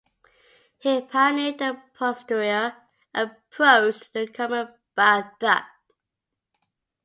He pioneered the posterior approach to the common bile duct.